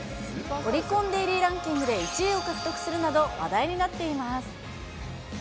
オリコンデイリーランキングで１位を獲得するなど、話題になっています。